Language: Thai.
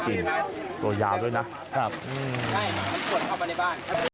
ตัวยาวด้วยนะครับอืมใช่มันส่วนเข้ามาในบ้าน